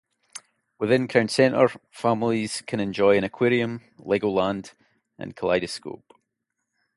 Within Crown Center, families can enjoy an aquarium, Legoland, and Kaleidoscope.